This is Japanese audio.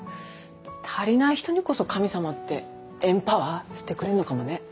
足りない人にこそ神様ってエンパワーしてくれんのかもね。